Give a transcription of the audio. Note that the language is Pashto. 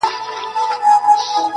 ظالمه زمانه ده جهاني له چا به ژاړو-